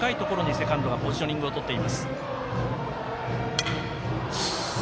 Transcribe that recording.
セカンドがポジショニングをとっています。